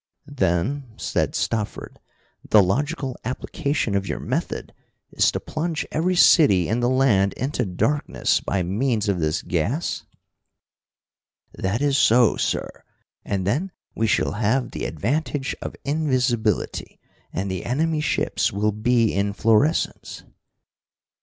"Then," said Stopford, "the logical application of your method is to plunge every city in the land into darkness by means of this gas?" "That is so, sir, and then we shall have the advantage of invisibility, and the enemy ships will be in fluorescence."